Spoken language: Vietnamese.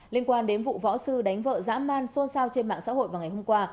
liên quan đến vụ võ sư đánh vợ dã man xôn xao trên mạng xã hội vào ngày hôm qua